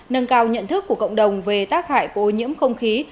nâng cao nhận thức của cộng đồng về tác hại của ô nhiễm không khí